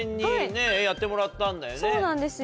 そうなんですよ。